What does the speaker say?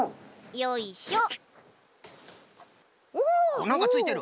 あっなんかついてる。